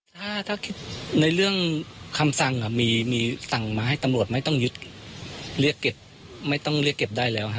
ถ้าคิดในเรื่องคำสั่งมีสั่งมาให้ตำรวจไม่ต้องยึดเรียกเก็บไม่ต้องเรียกเก็บได้แล้วฮะ